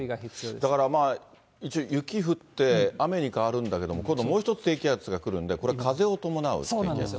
だからまあ、一応雪降って、雨に変わるんだけれども、今度もう１つ、低気圧が来るんで、これ、そうなんですよ。